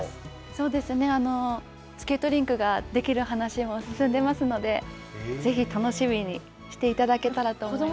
そうですね、スケートリンクが出来る話も進んでいますので、ぜひ楽しみにしていただけたらと思います。